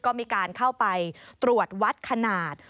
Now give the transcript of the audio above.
ก็มีการเข้าไปตรวจวัดขนาด